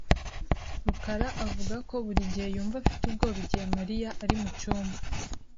rukara avuga ko buri gihe yumva afite ubwoba igihe Mariya ari mucyumba .